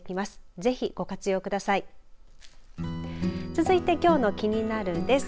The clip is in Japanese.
続いてきょうのキニナル！です。